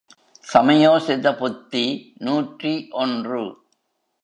சமயோசித புத்தி நூற்றி ஒன்று.